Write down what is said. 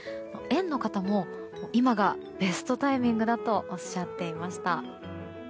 園の方も今がベストタイミングだとおっしゃっていました。